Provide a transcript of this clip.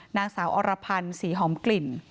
นางสาวอรพันธ์ศรีหอมกลิ่น